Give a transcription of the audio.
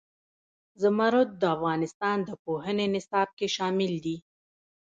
زمرد د افغانستان د پوهنې نصاب کې شامل دي.